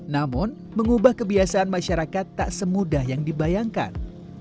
namun mengubah kebiasaan masyarakat tak semudah yang dibayangkan